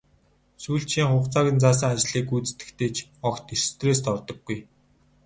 Сүүлчийн хугацааг нь заасан ажлыг гүйцэтгэхдээ ч огт стресст ордоггүй.